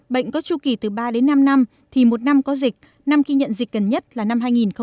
bệnh có chu kỳ từ ba đến năm năm thì một năm có dịch năm ghi nhận dịch gần nhất là năm hai nghìn một mươi chín